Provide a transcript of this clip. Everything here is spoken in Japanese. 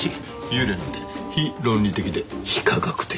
幽霊なんて非論理的で非科学的。